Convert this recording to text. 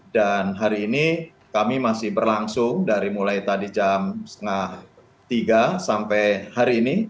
dan hari ini kami masih berlangsung dari mulai tadi jam setengah tiga sampai hari ini